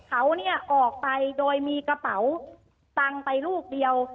เขาเนี่ยออกไปโดยมีกระเป๋าตังค์ไปลูกเดียว